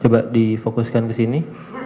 coba difokuskan ke sini